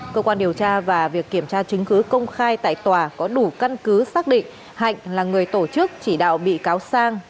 cơ quan điều tra và việc kiểm tra chứng cứ công khai tại tòa có đủ căn cứ xác định hạnh là người tổ chức chỉ đạo bị cáo sang